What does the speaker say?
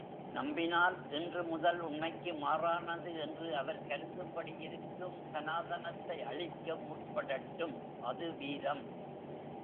நம்பினால், இன்று முதல் உண்மைக்கு மாறானது என்று அவர் கருதும்படி இருக்கும் சனாதனத்தை அழிக்க முற்படட்டும், அது வீரம்!